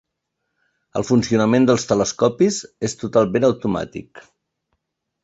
El funcionament dels telescopis és totalment automàtic.